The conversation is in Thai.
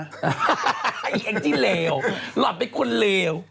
ไอ้เองที่เลวหลับเป็นคนเลว